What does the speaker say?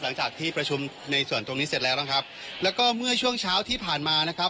หลังจากที่ประชุมในส่วนตรงนี้เสร็จแล้วบ้างครับแล้วก็เมื่อช่วงเช้าที่ผ่านมานะครับ